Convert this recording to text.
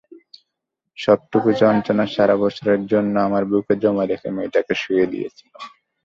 সবটুকু যন্ত্রণা সারা জীবনের জন্য আমার বুকে জমা রেখে মেয়েটাকে শুইয়ে দিয়েছিলাম কবরে।